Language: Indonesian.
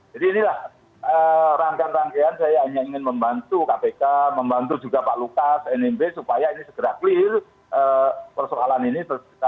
jadi inilah rangkaian rangkaian saya hanya ingin membantu kpk membantu juga pak lukas nmb supaya ini segera clear persoalan ini